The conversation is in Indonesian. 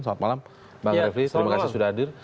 selamat malam bang refli terima kasih sudah hadir